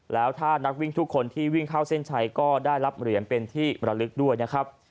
แล้วถ้านักวิ่งทุกคนที่วิ่งเข้าเส้นชัยก็ได้รับเหรียญเป็นที่มรลึกด้วยนะครับ